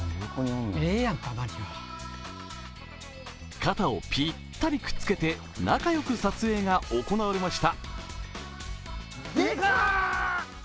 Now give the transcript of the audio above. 肩をぴったりくっつけて仲良く撮影が行われました。